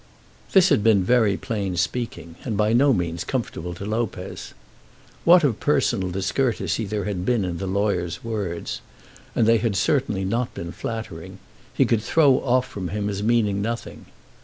This had been very plain speaking, and by no means comfortable to Lopez. What of personal discourtesy there had been in the lawyer's words, and they had not certainly been flattering, he could throw off from him as meaning nothing.